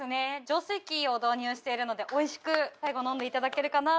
浄水器を導入しているのでおいしく最後飲んでいただけるかなと。